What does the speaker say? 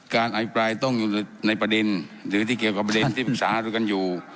อภิปรายต้องอยู่ในประเด็นหรือที่เกี่ยวกับประเด็นที่ปรึกษาดูกันอยู่